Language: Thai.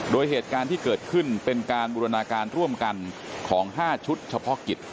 โดยเหตุการณ์ที่เกิดขึ้นเป็นการบูรณาการร่วมกันของ๕ชุดเฉพาะกิจ